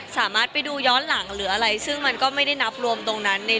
สามารถไปดูย้อนหลังหรืออะไรซึ่งมันก็ไม่ได้นับรวมตรงนั้น